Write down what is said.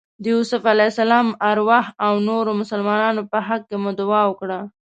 د یوسف علیه السلام ارواح او نورو مسلمانانو په حق کې مو دعا وکړه.